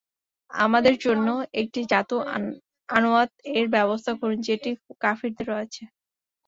আমাদের জন্যেও একটি যাতু আনওয়াত-এর ব্যবস্থা করুন, যেমনটি কাফিরদের রয়েছে।